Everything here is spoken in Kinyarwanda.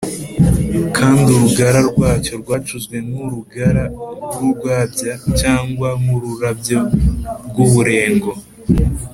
kandi urugara rwacyo rwacuzwe nk’urugara rw’urwabya cyangwa nk’ururabyo rw’uburengo